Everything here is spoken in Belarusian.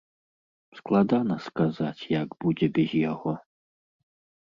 Складана сказаць, як будзе без яго.